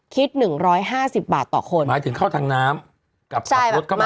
คิดหนึ่งร้อยห้าสิบบาทต่อคนหมายถึงเข้าทางน้ำกับสับปลดเข้ามา